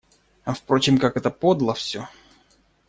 А впрочем, как это подло всё.